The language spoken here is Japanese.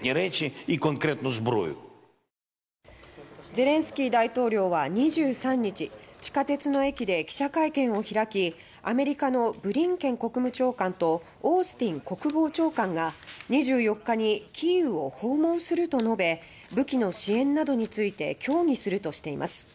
ゼレンスキー大統領は、２３日地下鉄の駅で記者会見を開きアメリカのブリンケン国務長官とオースティン国防長官が２４日にキーウを訪問すると述べ武器の支援などについて協議するとしています。